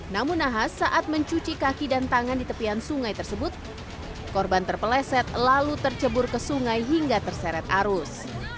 namun nahas saat mencuci kaki dan tangan di tepian sungai tersebut korban terpeleset lalu tercebur ke sungai hingga terseret arus